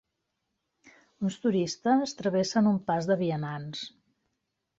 Uns turistes travessen un pas de vianants.